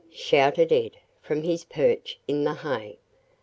shouted Ed from his "perch" in the hay.